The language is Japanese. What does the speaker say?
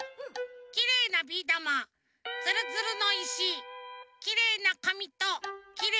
きれいなビーだまつるつるのいしきれいなかみときれいなぬのです。